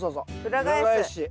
裏返し。